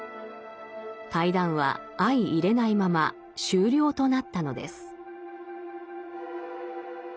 対談は相いれないまま終了となったのです。